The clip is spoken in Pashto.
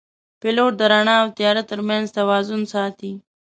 پیلوټ د رڼا او تیاره ترمنځ توازن ساتي.